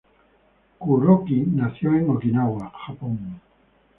Kuroki nació en Okinawa, Japón.